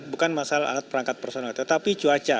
bukan masalah alat perangkat personal tetapi cuaca